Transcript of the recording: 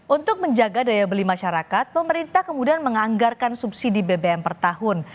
untuk menjaga daya beli masyarakat pemerintah kemudian menganggarkan subsidi bbm per tahun